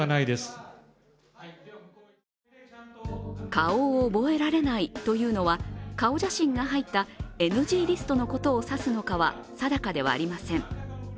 顔を覚えられないというのは顔写真が入ったＮＧリストのことを指すのかは、定かではありません。